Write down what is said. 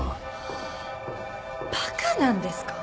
ハァバカなんですか？